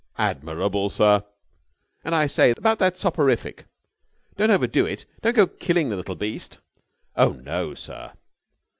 "Admirable, sir." "And, I say, about that soporific.... Don't overdo it. Don't go killing the little beast." "Oh, no, sir."